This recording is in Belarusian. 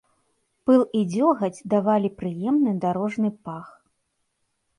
Пыл і дзёгаць давалі прыемны дарожны пах.